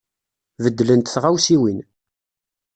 Beddlent tɣawsiwin.